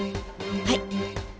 はい。